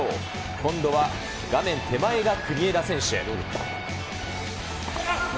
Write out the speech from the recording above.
今度は画面手前が国枝選手。